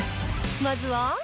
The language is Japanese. まずは。